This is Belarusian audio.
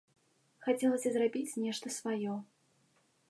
Хацелася зрабіць нешта сваё.